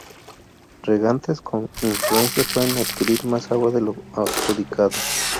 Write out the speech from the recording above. Regantes con influencia pueden adquirir más agua de lo adjudicado.